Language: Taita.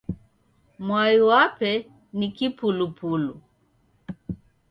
Mwai wape ni kipulupulu.